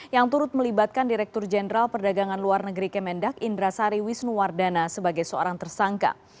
yang turut melibatkan direktur jenderal perdagangan luar negeri kemendak indra sari wisnuwardana sebagai seorang tersangka